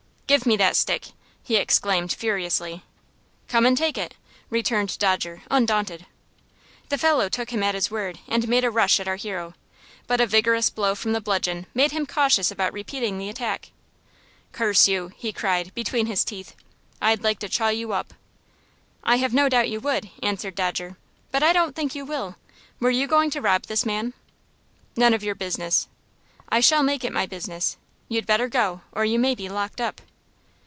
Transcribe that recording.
"Give me that stick," he exclaimed, furiously. "Come and take it," returned Dodger, undaunted. The fellow took him at his word, and made a rush at our hero, but a vigorous blow from the bludgeon made him cautious about repeating the attack. "Curse you!" he cried, between his teeth. "I'd like to chaw you up." "I have no doubt you would," answered Dodger; "but I don't think you will. Were you going to rob this man?" "None of your business!" "I shall make it my business. You'd better go, or you may be locked up."